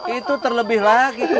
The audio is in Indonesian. itu terlebih lagi kum